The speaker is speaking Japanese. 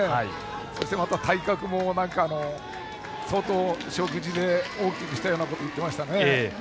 そして体格も相当食事で大きくしたようなことを言っていましたね。